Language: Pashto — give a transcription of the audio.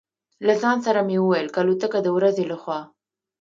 له ځان سره مې وویل: که الوتکه د ورځې له خوا.